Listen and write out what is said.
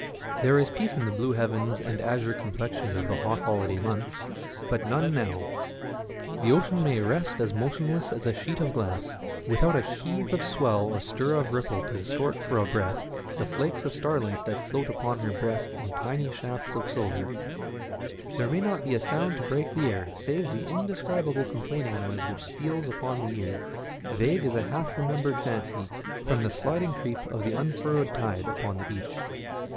There is peace in the blue heavens and azure complexion of the hot holiday months, but none now. The ocean may rest as motionless as a sheet of glass, without a heave of swell or stir of ripple to distort for a breath the flakes of starlight that float upon her breast in tiny shafts of silver ; there may not be a sound to break the air save the indescribable com plaining noise which steals upon the ear, vague as a half remembered fancy, from the sliding creep of the unfurrowed tide upon the beach.